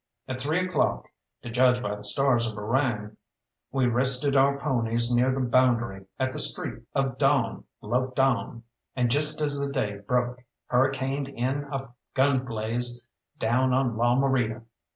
At three o'clock, to judge by the stars of Orion, we rested our ponies near the boundary, at the streak of dawn loped on, and just as the day broke hurricaned in a gun blaze down on La Morita.